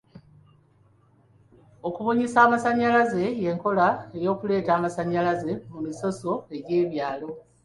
Okubunyisa amasannyalaze y'enkola y'okuleeta amasannyalaze mu misoso gy'ebyalo.